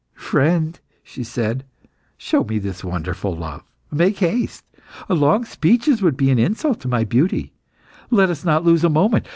"Friend," she said, "show me this wonderful love. Make haste! Long speeches would be an insult to my beauty; let us not lose a moment.